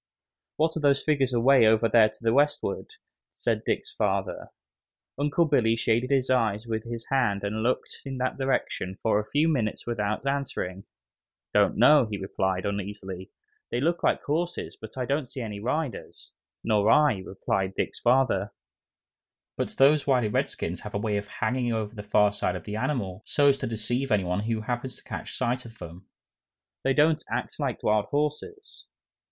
"What are those figures away over there to the westward?" said Dick's father. Uncle Billy shaded his eyes with his hand and looked in that direction for a few minutes without answering. "Don't know," he replied, uneasily. "They look like horses, but I don't see any riders." "Nor I," replied Dick's father, "but those wily redskins have a way of hanging over the far side of the animal so's to deceive any one who happens to catch sight of them. They don't act like wild horses."